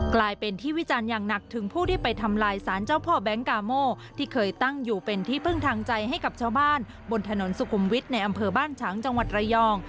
กลายเป็นที่วิจารณ์อย่างหนักถึงผู้ที่ไปทำลายสารเจ้าพ่อแบงค์กาโมที่เคยตั้งอยู่เป็นที่พึ่งทางใจให้กับชาวบ้านบนถนนสุขุมวิทย์ในอำเภอบ้านฉางจังหวัดระยอง